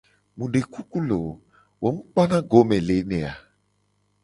Mu de kuku loo, wo kpona go le eme a?